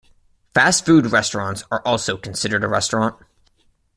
Fast food restaurants are also considered a restaurant.